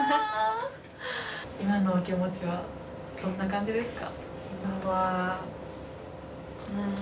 今のお気持ちはどんな感じですか？